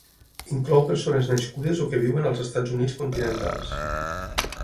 Inclou persones nascudes o que viuen als Estats Units continentals.